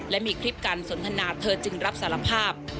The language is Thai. และมีคลิปการสนทนาเธอจึงรับสารภาพ